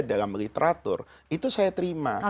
dalam literatur itu saya terima